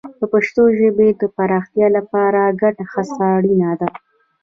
د پښتو ژبې د پراختیا لپاره ګډه هڅه اړینه ده.